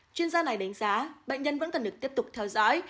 chuyên gia này đánh giá bệnh nhân vẫn cần được tiếp tục theo dõi